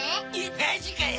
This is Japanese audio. マジかよ？